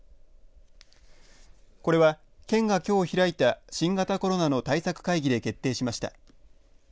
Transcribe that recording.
これは、県がきょう開いた新型コロナの対策会議で決定しました。